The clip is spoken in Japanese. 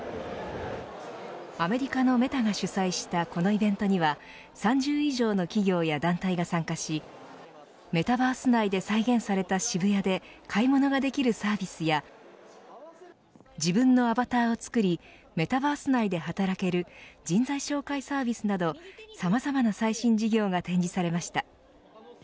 アメリカのメタが主催したこのイベントには３０以上の企業や団体が参加しメタバース内で再現された渋谷で買い物ができるサービスや自分のアバターを作りメタバース内で働ける人材紹介サービスなどさまざまな最新事業が展示されました。